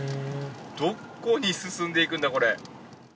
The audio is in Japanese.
どこに進んでいくんだこれ。